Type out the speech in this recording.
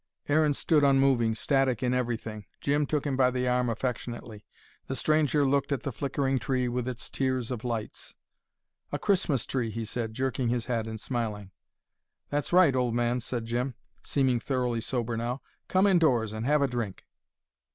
Aaron stood unmoving, static in everything. Jim took him by the arm affectionately. The stranger looked at the flickering tree, with its tiers of lights. "A Christmas tree," he said, jerking his head and smiling. "That's right, old man," said Jim, seeming thoroughly sober now. "Come indoors and have a drink."